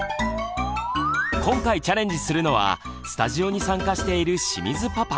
今回チャレンジするのはスタジオに参加している清水パパ。